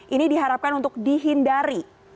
ini diharapkan untuk dihindari